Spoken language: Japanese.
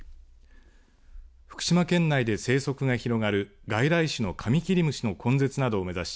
福島県内で生息が広がる外来種のカミキリムシの根絶などを目指し